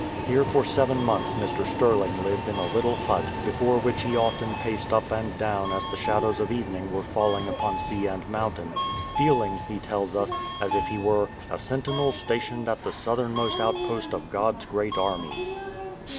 Here for seven months Mr. Stirling lived in a little hut, before which he often paced up and down as the shadows of evening were falling upon sea and mountain, feeling, he tells us, as if he were 267 BISHOP STIRLING AND USHUAIA "a sentinel stationed at the southernmost outpost of God's great army.""